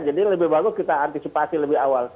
jadi lebih bagus kita antisipasi lebih awal